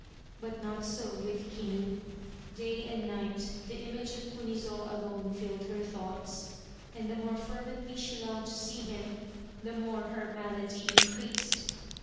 But not so with Kinu. Day and night the image of Kunizo alone filled her thoughts, and the more fer vently she longed to see him the more her malady increased.